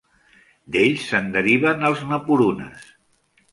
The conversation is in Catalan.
D'ells se'n deriven els napurunes.